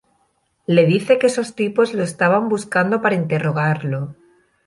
Le dice que esos tipos lo estaban buscando para interrogarlo.